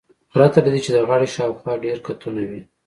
پرته له دې چې د غاړې شاوخوا ډیر قاتونه وي